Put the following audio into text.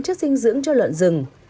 chất dinh dưỡng cho lợn rừng